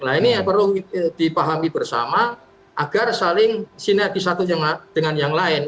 nah ini perlu dipahami bersama agar saling sinergi satu dengan yang lain